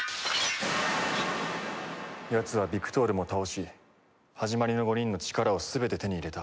やつはビクトールも倒しはじまりの５人の力を全て手に入れた。